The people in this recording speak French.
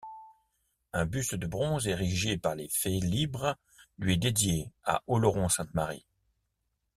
Un buste de bronze érigé par les félibres lui est dédié à Oloron-Sainte-Marie.